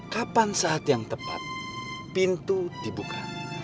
kapan saat yang tepat pintu dibuka